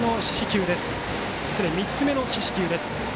３つ目の四死球です。